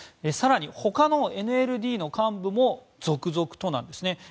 更に、ほかのＮＬＤの幹部も続々となんですね。